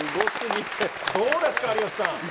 どうですか、有吉さん。